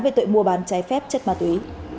về tội mua bán trái phép chất ma túy